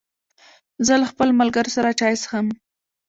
زه له خپلو ملګرو سره چای څښم.